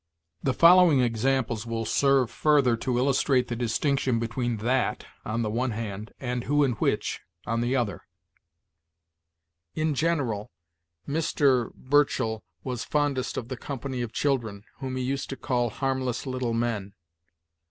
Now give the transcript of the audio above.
"The following examples will serve further to illustrate the distinction between that, on the one hand, and who and which, on the other: "'In general, Mr. Burchell was fondest of the company of children, whom he used to call harmless little men.'